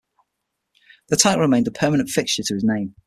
The title remained a permanent fixture to his name.